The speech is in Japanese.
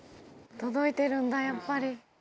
届いてるんだ、やっぱり。